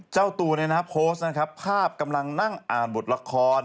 เจ้าตัวโพสต์นะครับภาพกำลังนั่งอ่านบทละคร